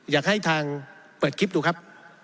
อยากให้ทางเปิดคลิปดูครับ